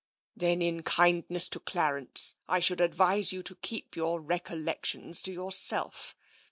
Then in kindness to Clarence, I should advise you to keep your recollections to yourself.